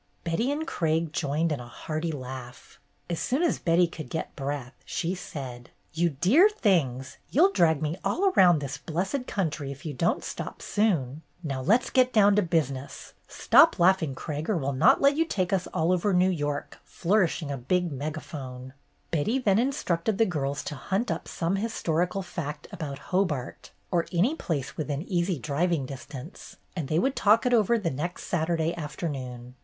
Betty and Craig joined in a hearty laugh. As soon as Betty could get breath, she said: "You dear things, you'll drag me all around this blessed country if you don't stop soon ! Now let 's get down to business. Stop laugh ing, Craig, or we 'll not let you take us all over New York, flourishing a big megaphone." Betty then instructed the girls to hunt up some historical fact about Hobart, or any place within easy driving distance, and they would talk it over the next Saturday after noon.